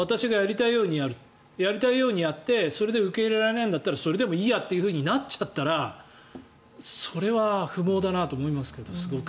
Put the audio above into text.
私がやりたいようにやってそれで受け入れられないんだったらそれでもいいやとなっちゃったらそれは不毛だなと思いますけど。